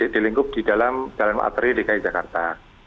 di lingkup di dalam jalan materi dki jakarta